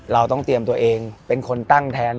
เราต้องเตรียมตัวเองเป็นคนตั้งแทน